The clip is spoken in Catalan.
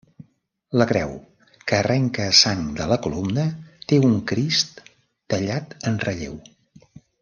La creu, que arrenca a sang de la columna, té un crist tallat en relleu.